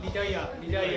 リタイア。